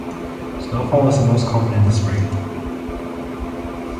Snowfall is most common in the spring.